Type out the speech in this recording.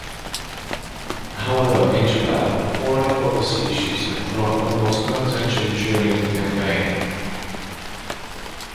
However, in Japan, foreign policy issues had drawn almost no attention during the campaign.